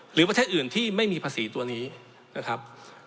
ประเทศอื่นที่ไม่มีภาษีตัวนี้นะครับ